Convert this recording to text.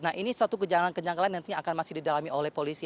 nah ini suatu kenyang kenyang lain yang nantinya akan masih didalami oleh polisi